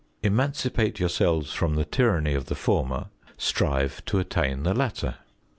Emancipate yourselves from the tyranny of the former; strive to attain the latter.